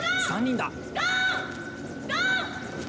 ３人だ。